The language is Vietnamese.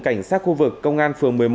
cảnh sát khu vực công an phường một mươi một